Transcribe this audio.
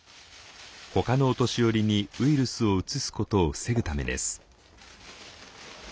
ほかのお年寄りにウイルスをうつすことを防ぐためです。